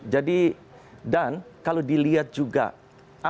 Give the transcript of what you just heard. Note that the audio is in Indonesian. jadi dan kalau dilihat juga apakah pertanyaannya